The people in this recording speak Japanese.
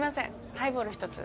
ハイボール１つ。